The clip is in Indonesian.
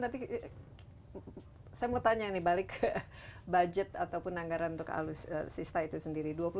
saya mau tanya balik ke budget ataupun anggaran untuk sista itu sendiri